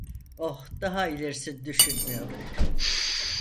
Oh, daha ilerisini düşünmüyorum…